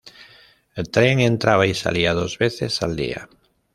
El tren entraba y salía dos veces al día.